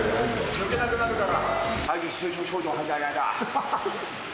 抜けなくなるから。